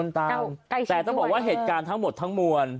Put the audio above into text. แต่ต้องบอกว่าเหตุการณ์ทั้งหมดทั้งมวล